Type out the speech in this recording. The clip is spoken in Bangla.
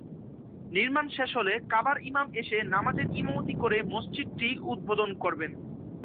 নির্মাণ শেষ হলে কাবার ইমাম এসে নামাযের ইমামতি করে মসজিদটি উদ্বোধন করবেন।